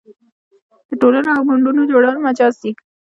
د ټولنو او ګوندونو جوړول مجاز دي.